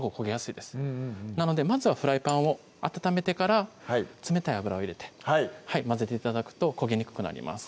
うんうんなのでまずはフライパンを温めてから冷たい油を入れて混ぜて頂くと焦げにくくなります